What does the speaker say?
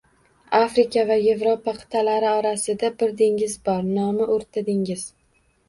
Afrika va Yevropa qitʼalari orasida bir dengiz bor, nomi oʻrta dengiz